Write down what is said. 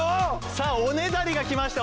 さぁおねだりが来ました！